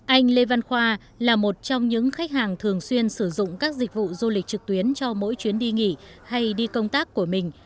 anh lê văn khoa là một trong những khách hàng thường xuyên sử dụng các dịch vụ du lịch trực tuyến cho mỗi chuyến đi nghỉ hay đi công tác của mình